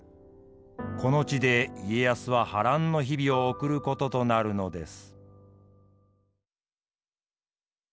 この地で家康は波乱の日々を送ることとなるのです。